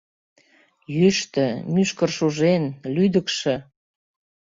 Йӱштӧ, мӱшкыр шужен, лӱдыкшӧ.